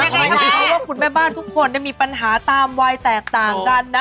เพราะว่าคุณแม่บ้านทุกคนมีปัญหาตามวัยแตกต่างกันนะ